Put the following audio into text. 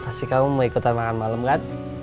pasti kamu mau ikutan makan malam kan